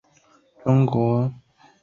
中国有自由和民主